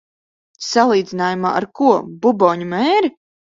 Salīdzinājumā ar ko? Buboņu mēri?